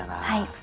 はい。